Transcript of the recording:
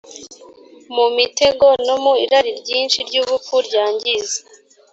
mu mutego no mu irari ryinshi ry ubupfu ryangiza